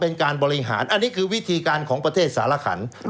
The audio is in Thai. เป็นการบริหารอันนี้คือวิธีการของประเทศสารขัน